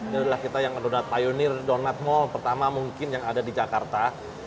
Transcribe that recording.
jadi kita yang donat pionir donat mal pertama mungkin yang ada di jakarta